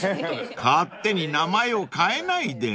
［勝手に名前を変えないで］